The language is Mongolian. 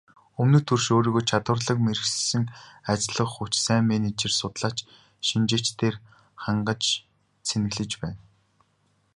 Өмнөд хөрш өөрийгөө чадварлаг мэргэшсэн ажиллах хүч, сайн менежер, судлаач, шинжээчдээр хангаж цэнэглэж байна.